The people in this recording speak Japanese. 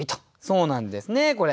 そうなんですねこれ。